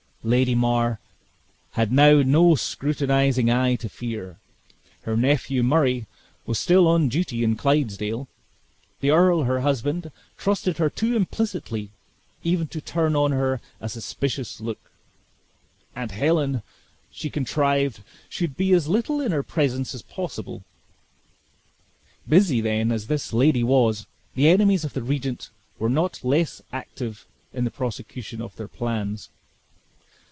Lady Mar had now no scrutinizing eye to fear; her nephew Murray was still on duty in Clydesdale; the earl, her husband, trusted her too implicitly even to turn on her a suspicious look; and Helen, she contrived, should be as little in her presence as possible. Busy, then, as this lady was, the enemies of the regent were not less active in the prosecution of their plans.